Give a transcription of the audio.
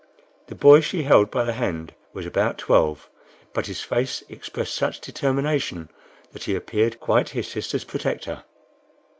The boy she held by the hand was about twelve, but his face expressed such determination, that he appeared quite his sister's protector.